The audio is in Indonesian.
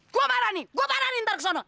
gue marah nih gue marah nih ntar kesana